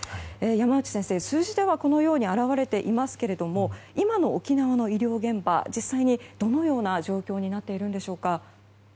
山内先生、数字ではこのように表れていますが今の沖縄の医療現場、実際にどのような状況になっているのでしょうか。